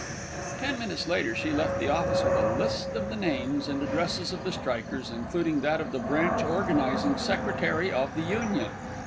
Ten minutes later she left the office with a list of the names and addresses of the strikers, including that of the branch organising secretary of the Union.